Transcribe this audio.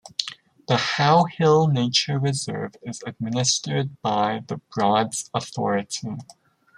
The How Hill Nature Reserve is administered by the Broads Authority.